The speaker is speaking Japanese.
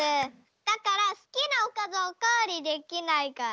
だからすきなおかずをおかわりできないから。